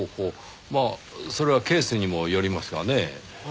まあそれはケースにもよりますがねぇ。